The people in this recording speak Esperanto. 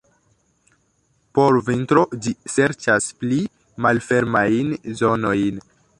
Por vintro ĝi serĉas pli malfermajn zonojn.